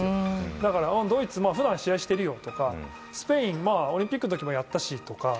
だからドイツ、普段試合してるよとかスペイン、まあ、オリンピックの時もやったし、とか。